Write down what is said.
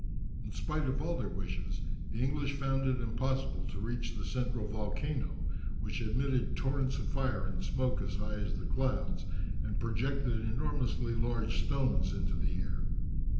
In spite of all their wishes, the English found it impossible to reach the central volcano, which emitted torrents of fire and smoke as high as the clouds, and projected enormously large stones into the air.